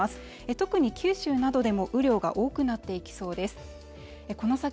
特に九州などでも雨量が多くなっていきそうです。